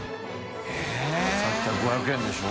─舛叩さっきが５００円でしょ？